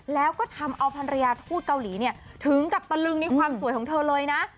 แล้วก็ทำเอาภรรยาทูตเกาหลีเนี่ยถึงกับตะลึงในความสวยของเธอเลยนะ